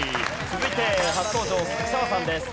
続いて初登場鈴木砂羽さんです。